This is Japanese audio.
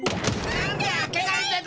なんで開けないんだい？